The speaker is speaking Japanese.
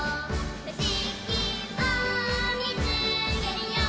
「ふしぎをみつけるよ」